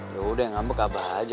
yaudah yang ngambek abah aja